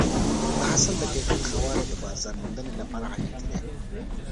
د حاصل د کیفیت ښه والی د بازار موندنې لپاره حیاتي دی.